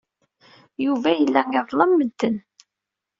Yuba yella iḍellem medden.